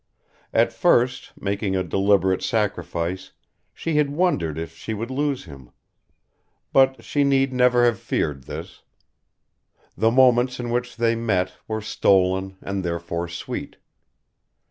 At first, making a deliberate sacrifice, she had wondered if she would lose him; but she need never have feared this. The moments in which they met were stolen and therefore sweet.